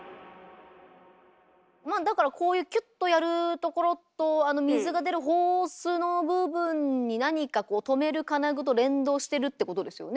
まあだからこういうキュッとやるところと水が出るホースの部分に何かこうとめる金具と連動してるってことですよね？